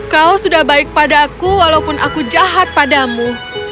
kau sudah baik padaku walaupun aku jahat padamu